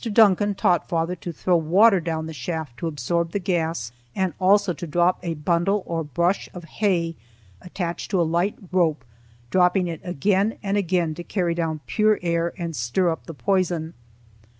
Duncan taught father to throw water down the shaft to absorb the gas, and also to drop a bundle of brush or hay attached to a light rope, dropping it again and again to carry down pure air and stir up the poison.